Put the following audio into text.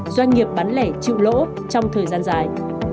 doanh nghiệp bán lẻ chịu lỗ trong thời gian dài